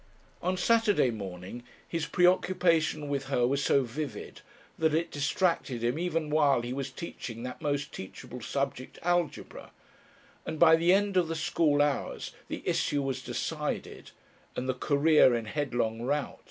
On Saturday morning his preoccupation with her was so vivid that it distracted him even while he was teaching that most teachable subject, algebra, and by the end of the school hours the issue was decided and the Career in headlong rout.